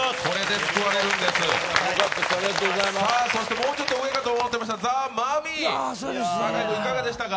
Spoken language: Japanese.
もうちょっと上かと思ってましたザ・マミィ、いかがでしたか？